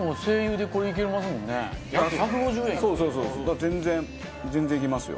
だから全然全然いけますよ。